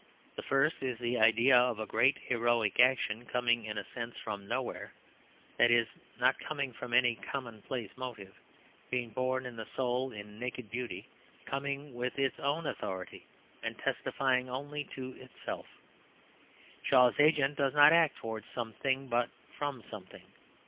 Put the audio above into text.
The first is the idea of a great heroic action coming in a sense from nowhere; that is, not coming from any commonplace motive; being born in the soul in naked beauty, coming with its own authority and testifying only to itself. Shaw's agent does not act towards something, but from something.